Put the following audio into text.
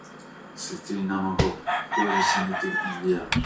C'était une âme plus encore que ce n'était une vierge.